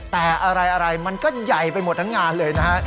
แต่อะไรมันก็ใหญ่ไปหมดทั้งงานเลยนะฮะ